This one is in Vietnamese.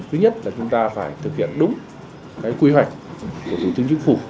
thứ nhất là chúng ta phải thực hiện đúng quy hoạch của thủ tướng chính phủ